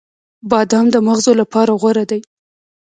• بادام د مغزو لپاره غوره دی.